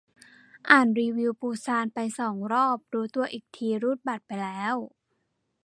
อ่านรีวิวปูซานไปสองรอบ รู้ตัวอีกทีรูดบัตรไปแล้ว